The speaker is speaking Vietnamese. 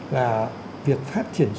là việc phát triển du lịch